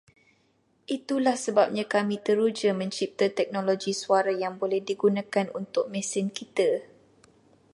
Itulah sebabnya kami teruja mencipta teknologi suara yang boleh digunakan untuk mesin kita